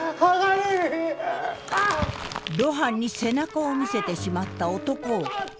露伴に背中を見せてしまった男を異変が襲う。